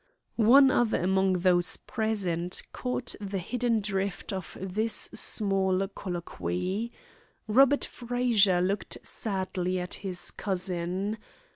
One other among those present caught the hidden drift of this small colloquy. Robert Frazer looked sadly at his cousin.